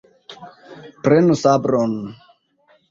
Prenu sabron!